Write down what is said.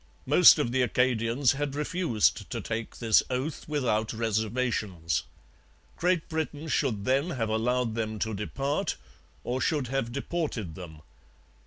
Most of the Acadians had refused to take this oath without reservations. Great Britain should then have allowed them to depart or should have deported them.